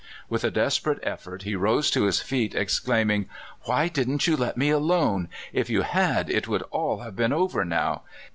With a des perate effort he rose to his feet, exclaiming :'* Why didn't you let me alone? If you had, it would all have been over now.